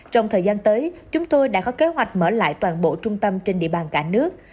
trong thời gian tới chúng tôi đã có kế hoạch mở lại toàn bộ trung tâm trên địa bàn cả nước